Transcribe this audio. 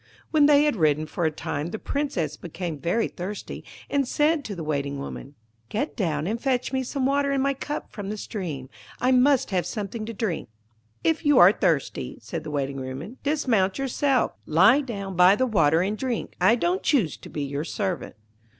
When they had ridden for a time the Princess became very thirsty, and said to the Waiting woman, 'Get down and fetch me some water in my cup from the stream. I must have something to drink.' 'If you are thirsty,' said the Waiting woman, 'dismount yourself, lie down by the water and drink. I don't choose to be your servant.'